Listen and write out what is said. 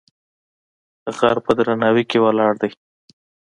غر په درناوی کې ولاړ دی.